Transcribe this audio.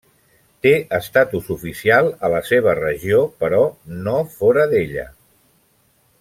Té estatus oficial a la seva regió, però no fora d'ella.